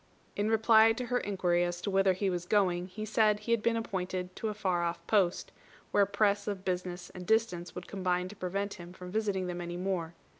In reply to her inquiry as to whither he was going, he said he had been appointed to a far off post, where press of business and distance would combine to prevent him from visiting them any more.